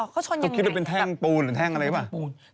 เขาชนเขาคิดว่าเป็นแท่งปูนหรือแท่งอะไรหรือเปล่า